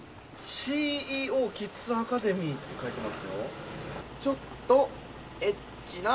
ＣＥＯキッズアカデミーって書いてありますよ。